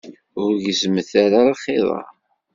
Ur gezzmet ara lxiḍ-a.